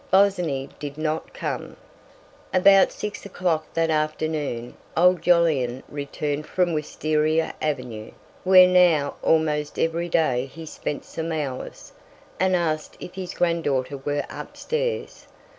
Bosinney did not come.... About six o'clock that afternoon old Jolyon returned from Wistaria Avenue, where now almost every day he spent some hours, and asked if his grand daughter were upstairs.